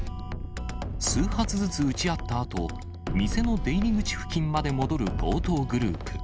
数発ずつ撃ち合ったあと、店の出入り口付近まで戻る強盗グループ。